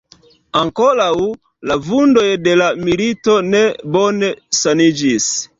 Ankoraŭ la vundoj de la milito ne bone saniĝis.